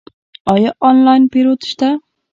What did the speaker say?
آیا آنلاین پیرود شته؟